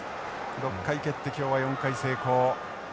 ６回蹴って今日は４回成功。